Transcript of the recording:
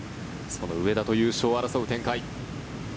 その上田と優勝を争う展開。